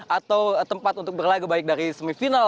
atau tempat untuk berlaga baik dari semifinal